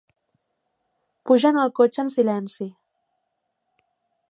Pugen al cotxe en silenci.